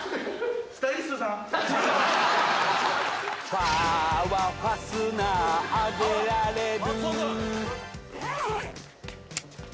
「ファはファスナー上げられる」